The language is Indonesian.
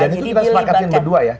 dan itu kita sepakatkan berdua ya